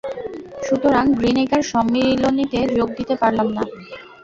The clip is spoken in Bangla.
সুতরাং গ্রীনএকার সম্মিলনীতে যোগ দিতে পারলাম না।